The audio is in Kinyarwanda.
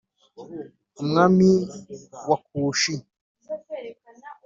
umwami wa Kushi,